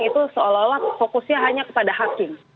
itu seolah olah fokusnya hanya kepada hakim